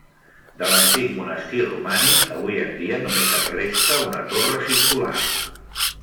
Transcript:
De l'antic monestir romànic avui en dia només en resta una torre circular.